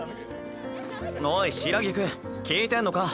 おい白菊聞いてんのか？